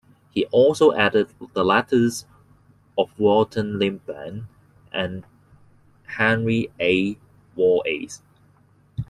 He also edited the letters of Walter Lippmann and Henry A. Wallace.